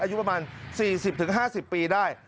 อายุประมาณ๔๐๕๐ปีได้